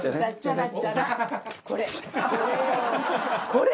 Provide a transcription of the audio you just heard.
これ！